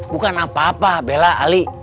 bukan apa apa bella ali